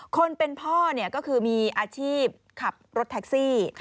คนเป็นพ่อก็คือมีอาชีพขับรถแท็กซี่